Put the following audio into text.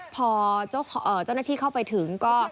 พอเจ้าหน้าที่เข้าไปถึงก็